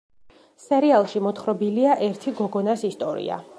სერიალში მოთხრობილია ერთი გოგონას ისტორია.